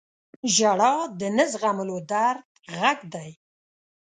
• ژړا د نه زغملو درد غږ دی.